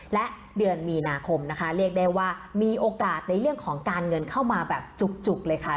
และเดือนมีนาคมนะคะเรียกได้ว่ามีโอกาสในเรื่องของการเงินเข้ามาแบบจุกเลยค่ะ